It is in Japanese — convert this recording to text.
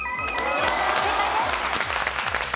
正解です。